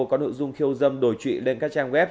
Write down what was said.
có nội dung khiêu dâm đổi trụy lên các trang web